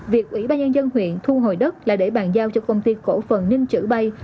việc ủy ban nhân dân huyện thu hồi đất là để bàn giao cho công ty cổ phần ninh chữ bay